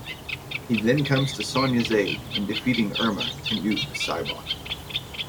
He then comes to Sonya's aid in defeating Ermac and Noob Saibot.